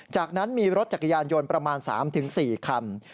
จากนั้นมีรถจักรยานยนต์ประมาณ๓๔คัน